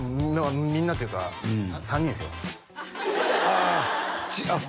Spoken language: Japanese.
みんなというか３人ですよあああっ